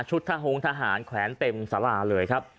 ทะหงทหารแขวนเต็มสาราเลยครับ